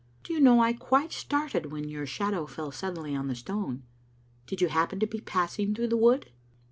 " Do you know I quite started when your shadow fell suddenly on the stone. Did you happen to be pass ing through the wood?"